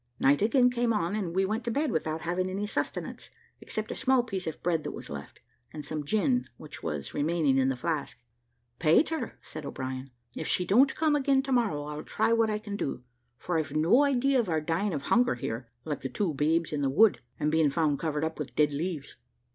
Night again came on, and we went to bed without having any sustenance, except a small piece of bread that was left, and some gin which was remaining in the flask, "Peter," said O'Brien, "if she don't come again to morrow, I'll try what I can do; for I've no idea of our dying of hunger here, like the two babes in the wood, and being found covered up with dead leaves.